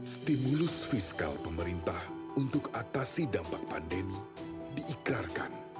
stimulus fiskal pemerintah untuk atasi dampak pandemi diikrarkan